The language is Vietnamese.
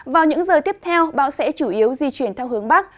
vào những giờ tiếp theo bão sẽ chủ yếu di chuyển theo hướng bắc